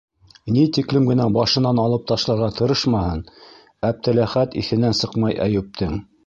Ни тиклем генә башынан алып ташларға тырышмаһын, Әптеләхәт иҫенән сыҡмай Әйүптең.